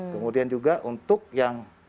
kemudian juga untuk yang